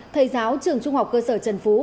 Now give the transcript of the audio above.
thầy giáo trường trung học cơ sở trần phú